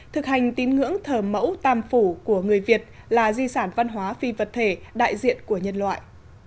thực hành tín ngưỡng thờ mẫu tam phủ của người việt là di sản văn hóa phi vật thể đại diện của nhân loại